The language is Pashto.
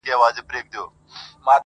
کمزوری سوئ يمه، څه رنگه دي ياده کړمه.